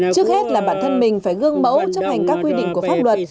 trước hết là bản thân mình phải gương mẫu chấp hành các quy định của pháp luật